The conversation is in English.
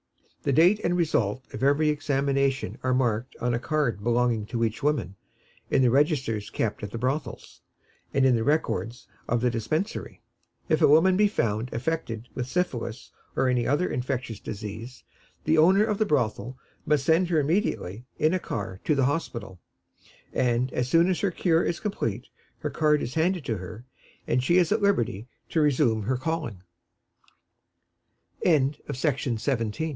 The date and result of every examination are marked on a card belonging to each woman, in the registers kept at the brothels, and in the records of the Dispensary. If a woman be found affected with syphilis or any other infectious disease, the owner of the brothel must send her immediately, in a car, to the hospital, and as soon as her cure is complete her card is handed to her, and she is at liberty to resume her calling. CHAPTER XVI. HAMBURG. Ancient Legislation. Ulm.